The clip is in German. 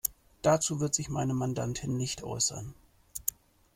Dazu wird sich meine Mandantin nicht äußern.